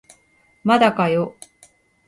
まだかよ